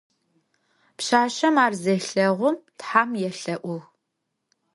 Пшъашъэм ар зелъэгъум тхьэм елъэӏугъ.